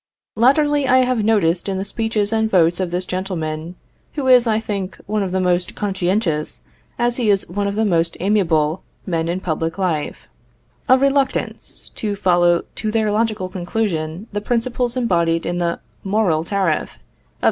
Latterly I have noticed in the speeches and votes of this gentleman (who is, I think, one of the most conscientious, as he is one of the most amiable, men in public life), a reluctance to follow to their logical conclusion the principles embodied in the "Morrill tariff" of 1861.